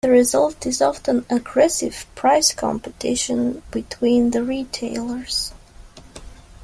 The result is often aggressive price competition between the retailers.